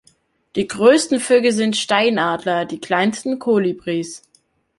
Die größten Vögel sind Steinadler, die kleinsten Kolibris.